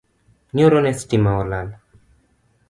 Nyoro ne stima olal